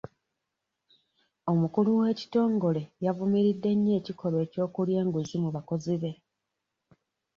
Omukulu w'ekitongole yavumiridde nnyo ekikolwa ky'okulya enguzi mu bakozi be.